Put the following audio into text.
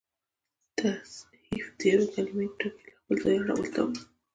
تصحیف د یوې کليمې ټکي له خپله ځایه اړولو ته وا يي.